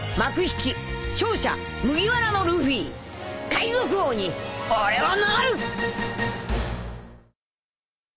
海賊王に俺はなる！